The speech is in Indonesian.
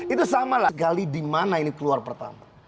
itu sama lah gali di mana ini keluar pertama